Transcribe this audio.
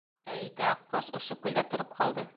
Ә ике аҡҡош ошо күлдә тороп ҡалды.